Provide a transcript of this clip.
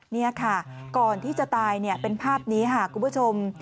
นี่ค่ะก่อนที่จะตายเป็นภาพนี้ค่ะคุณผู้ชม